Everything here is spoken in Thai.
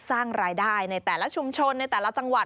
สร้างรายได้ในแต่ละชุมชนในแต่ละจังหวัด